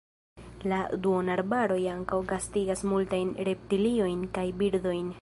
La duonarbaroj ankaŭ gastigas multajn reptiliojn kaj birdojn.